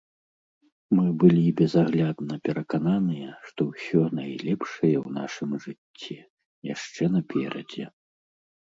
Мы былі безаглядна перакананыя, што ўсё найлепшае ў нашым жыцці яшчэ наперадзе.